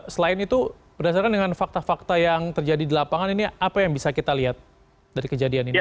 selain itu berdasarkan dengan fakta fakta yang terjadi di lapangan ini apa yang bisa kita lihat dari kejadian ini